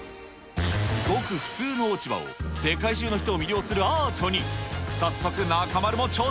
ごく普通の落ち葉を世界中の人を魅了するアートに。